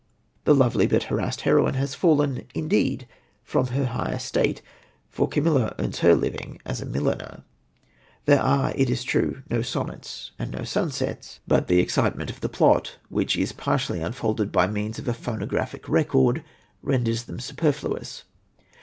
The lovely but harassed heroine has fallen, indeed, from her high estate, for Camilla earns her living as a milliner. There are, it is true, no sonnets and no sunsets, but the excitement of the plot, which is partially unfolded by means of a phonographic record, renders them superfluous.